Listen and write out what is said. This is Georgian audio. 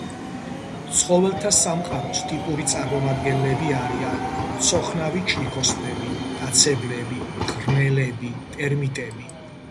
ცხოველთა სამყაროს ტიპური წარმომადგენლები არიან: მცოხნავი ჩლიქოსნები, მტაცებლები, მღრღნელები, ტერმიტები.